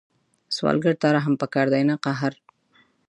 سوالګر ته رحم پکار دی، نه قهر